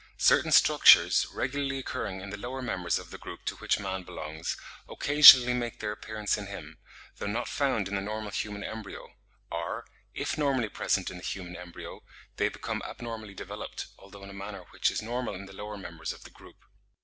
Certain structures, regularly occurring in the lower members of the group to which man belongs, occasionally make their appearance in him, though not found in the normal human embryo; or, if normally present in the human embryo, they become abnormally developed, although in a manner which is normal in the lower members of the group.